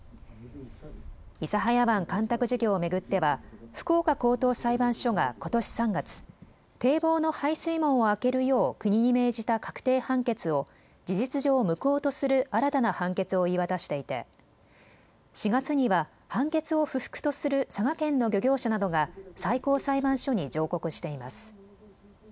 諫早湾干拓事業を巡っては福岡高等裁判所がことし３月、堤防の排水門を開けるよう国に命じた確定判決を事実上、無効とする新たな判決を言い渡していて４月には判決を不服とする佐賀県の漁業者などが最高裁判所に上告しています。